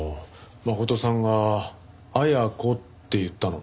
真琴さんが「アヤコ」って言ったの。